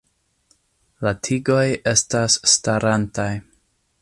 La tigoj estas starantaj.